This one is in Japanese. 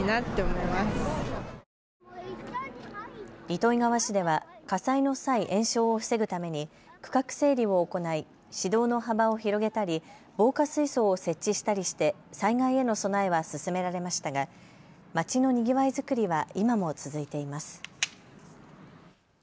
糸魚川市では火災の際、延焼を防ぐために区画整理を行い市道の幅を広げたり防火水槽を設置したりして災害への備えは進められましたがまちのにぎわいづくりは今も続いています。